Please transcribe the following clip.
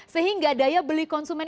sehingga daya beli konsumen